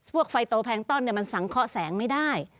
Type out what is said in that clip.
ไฟโตแพงต้อนมันสังเคาะแสงไม่ได้